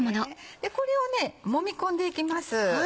これをもみ込んでいきます。